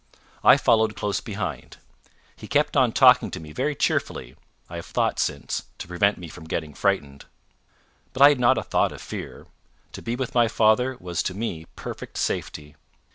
I followed close behind. He kept on talking to me very cheerfully I have thought since to prevent me from getting frightened. But I had not a thought of fear. To be with my father was to me perfect safety.